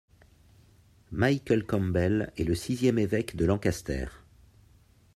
Michael Campbell est le sixième évêque de Lancaster.